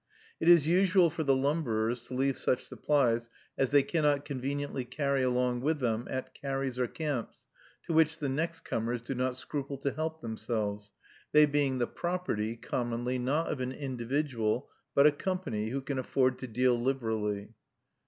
It is usual for the lumberers to leave such supplies as they cannot conveniently carry along with them at carries or camps, to which the next comers do not scruple to help themselves, they being the property, commonly, not of an individual, but a company, who can afford to deal liberally.